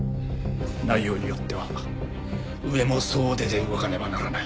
内容によっては上も総出で動かねばならない。